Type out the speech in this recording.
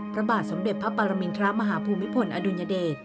พระบาทสำเด็จพระปรมินทรัพย์มหาภูมิผลอดุญเดช